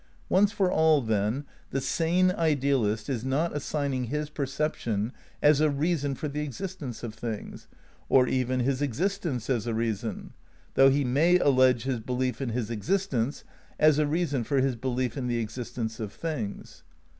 Once for all, then, the sane idealist is not assigning his perception as a reason for the existence of things, or even his existence as a reason ; though he may allege" his belief in his ex istence as a reason for his belief in the existence of things.